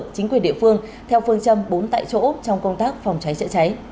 chính quyền địa phương theo phương châm bốn tại chỗ trong công tác phòng trái trịa trái